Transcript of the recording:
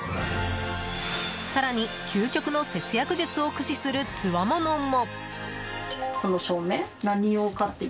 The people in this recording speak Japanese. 更に、究極の節約術を駆使するつわものも。